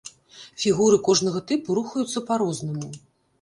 Фігуры кожнага тыпу рухаюцца па-рознаму.